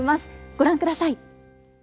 ご覧ください！